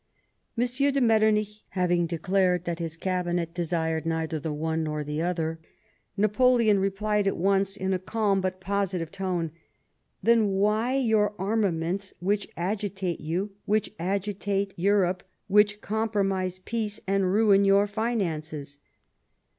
M. de Metternich haviner declared that his cabinet desired neither the one nor the other, Napoleon replied at once, in a calm but positive tone :' Then why your armaments which agitate you, which agitate Europe, which compromise peace, and ruin your finances